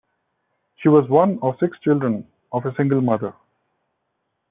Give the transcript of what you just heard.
She was one of six children of a single mother.